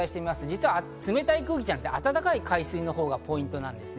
実は冷たい空気じゃなくて、暖かい海水のほうがポイントなんです。